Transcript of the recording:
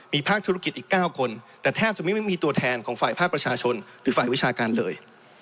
มีภาคธุรกิจอีก๙คนแต่แทบจะไม่มีตัวแทนของฝ่ายภาคประชาชนหรือฝ่ายวิชาการเลย